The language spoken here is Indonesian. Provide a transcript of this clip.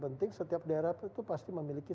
penting setiap daerah itu pasti memiliki